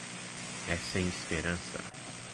É sem esperança.